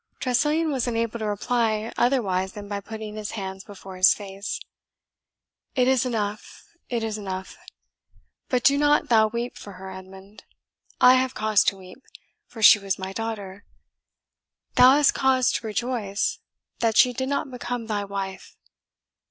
Tressilian was unable to reply otherwise than by putting his hands before his face. "It is enough it is enough. But do not thou weep for her, Edmund. I have cause to weep, for she was my daughter; thou hast cause to rejoice, that she did not become thy wife.